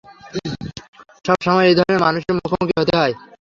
সব সময় এই ধরনের মানুষের মুখোমুখি হতে হয়।